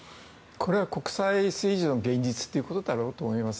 これは国際政治の現実というところだと思います。